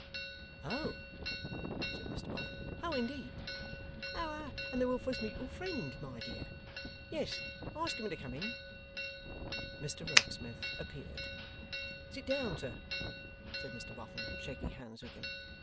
'Oh!' said Mr Boffin. 'Oh indeed! Our and the Wilfers' Mutual Friend, my dear. Yes. Ask him to come in.' Mr Rokesmith appeared. 'Sit down, sir,' said Mr Boffin, shaking hands with him.